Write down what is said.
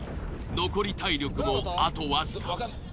残り体力もあとわずか。